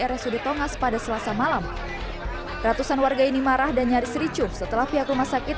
rsud tongas pada selasa malam ratusan warga ini marah dan nyaris ricuh setelah pihak rumah sakit